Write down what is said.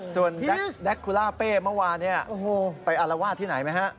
ส่วนแดคกูลาเป่ะเมื่อวานี้ไปอารวาสที่ไหนไหมฮะ